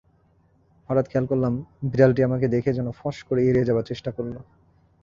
হঠাৎ খেয়াল করলাম, বিড়ালটি আমাকে দেখেই যেন ফস করে এড়িয়ে যাবার চেষ্টা করল।